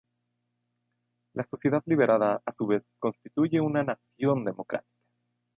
La sociedad liberada a su vez constituye una nación democrática.